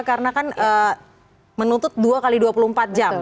karena kan menuntut dua x dua puluh empat jam